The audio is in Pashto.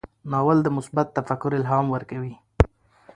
ناول د مثبت تفکر الهام ورکوي.